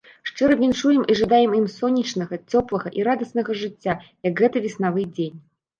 Шчыра віншуем і жадаем ім сонечнага, цёплага і радаснага жыцця, як гэты веснавы дзень.